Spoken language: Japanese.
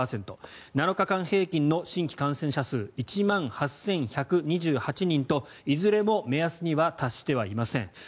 ７日間平均の新規感染者数１万８１２８人といずれも目安には達してはいません。